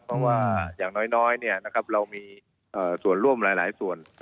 เพราะว่าอย่างน้อยเรามีส่วนร่วมหลายส่วน